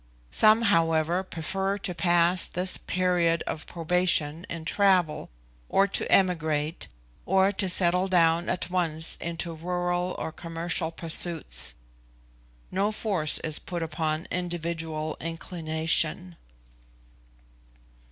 Some, however, prefer to pass this period of probation in travel, or to emigrate, or to settle down at once into rural or commercial pursuits. No force is put upon individual inclination.